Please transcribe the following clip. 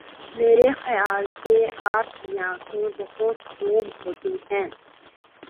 میری خیال سے آپ کی آنکھیں بہت خوب ہوتی ہیں.